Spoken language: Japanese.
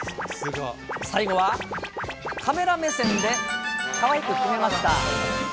最後は、カメラ目線でかわいく決めました。